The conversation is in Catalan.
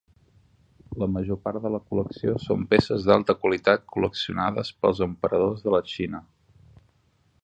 La major part de la col·lecció són peces d'alta qualitat col·leccionades pels emperadors de la Xina.